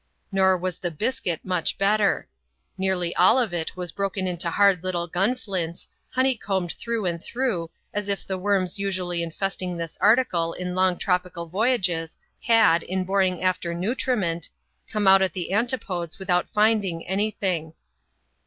Nor WSLS the biscuit much better ; nearly all of it was broken into hard little gunflints, honey combed through and through, as if the worms usually infesting this article in long tropical voyages, had, in boring after nutriment, come out at the an« tipodes without finding any thing.